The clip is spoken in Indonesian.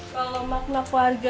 paling kalau kerja harus disiplin jujur